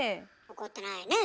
怒ってないねぇ。